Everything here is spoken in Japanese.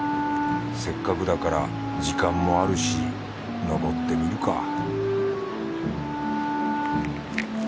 せっかくだから時間もあるし登ってみるか